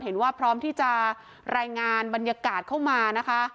เห็นว่าพร้อมที่จะรายงานบรรยากาศเข้ามานะคะ